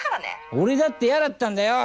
俺だって嫌だったんだよ！